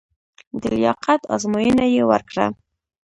د لیاقت ازموینه یې ورکړه.